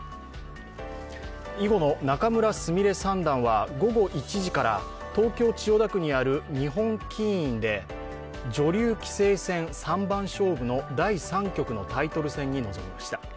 囲碁の仲邑菫三段は午後１時から東京・千代田区にある日本棋院で女流棋聖戦三番勝負の第３局のタイトル戦に臨みました。